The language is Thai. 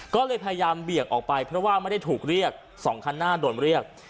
ก็เลยพยายามเบี่ยงออกไปเพราะว่าไม่ได้ถูกเรียก๒คันหน้าโดนเรียก